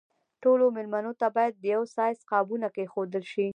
ټولو مېلمنو ته باید د یوه سایز قابونه کېښودل شي.